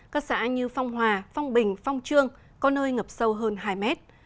các xã như phong hòa phong bình phong trương có nơi ngập sâu hơn hai mét